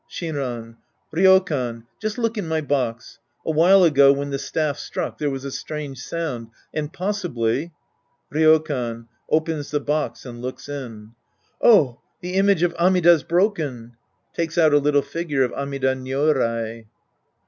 Shinran. Ryokan, just look in my box. A while ago when the staff struck, there was a strange sound, and possibly — Ryokan {opens the box and looks in). Oh, the image of Amida's broken ! {Takes out a little figure of Amida Nyorai!)